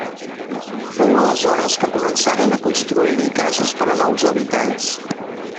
Fou aleshores que començaren a construir-hi cases per a nous habitants.